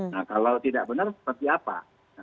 nah kalau tidak benar seperti apa